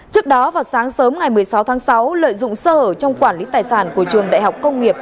trước đó vào sáng sớm ngày một mươi sáu tháng sáu lợi dụng sơ hở trong quản lý tài sản của trường đại học công nghiệp